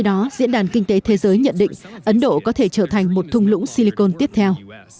điện đàn kinh tế thế giới nhận định ấn độ có thể trở thành một thung lũng silicon tiếp theo